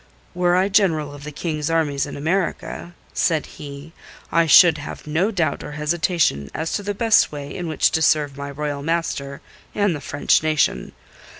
"Were I General of the King's Armies in America," said he, "I should have no doubt or hesitation as to the best way in which to serve my Royal master and the French nation.